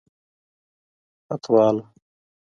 پتواله